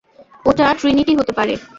ওটা ট্রিনিটি হতে পারে।